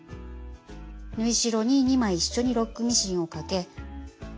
縫い代に２枚一緒にロックミシンをかけ。